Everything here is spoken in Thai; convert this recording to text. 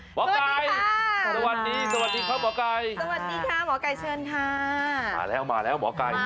หมอกัยค่ะสวัสดีค่ะหมอกัยสวัสดีค่ะหมอกัยเชิญค่ะมาแล้วหมอกัย